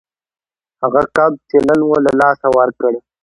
هغه کب چې نن مو له لاسه ورکړ